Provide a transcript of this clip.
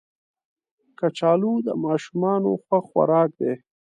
کچالو د ماشومانو خوښ خوراک دی